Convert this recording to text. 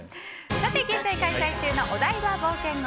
現在開催中のお台場冒険王